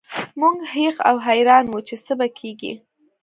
موږ هېښ او حیران وو چې څه به کیږي